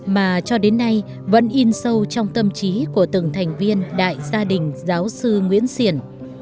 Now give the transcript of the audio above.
mà cho đến nay vẫn in sâu trong tâm trí của từng thành viên đại gia đình giáo sư nguyễn xiển